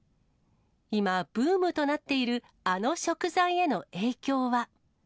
今、ブームとなっているあの食材への影響は。